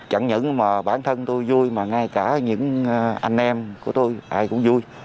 chẳng những mà bản thân tôi vui mà ngay cả những anh em của tôi ai cũng vui